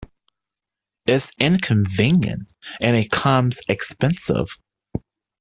It's inconvenient — and it comes expensive.